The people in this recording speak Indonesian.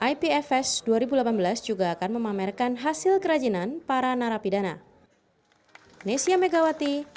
ipfs dua ribu delapan belas juga akan memamerkan hasil kerajinan para narapidana